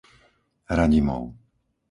Radimov